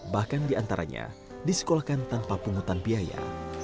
bahkan diantaranya disekolahkan tanpa pungutan biaya